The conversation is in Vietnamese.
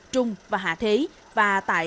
trung và hạ thế và tại